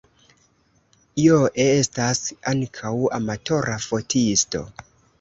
Joe estas ankaŭ amatora fotisto.